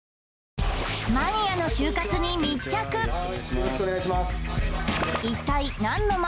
よろしくお願いします